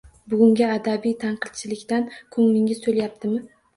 Bugungi adabiy tanqidchilikdan ko‘nglingiz to‘layaptimi